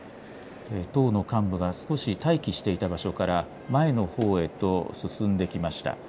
党の幹部が少し待機していた場所から前のほうへと進んできました。